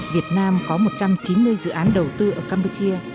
việt nam có một trăm chín mươi dự án đầu tư ở campuchia